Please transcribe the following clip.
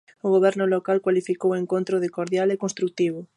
O goberno local cualificou o encontro de cordial e construtivo.